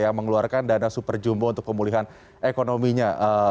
yang mengeluarkan dana super jumbo untuk pemulihan ekonominya